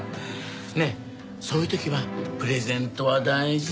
ねえそういう時はプレゼントは大事よ。